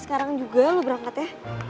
sekarang juga lo berangkat ya